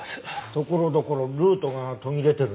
ところどころルートが途切れてるね。